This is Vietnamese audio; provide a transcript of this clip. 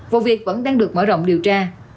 vụ việc vẫn đang được mở rộng điều tra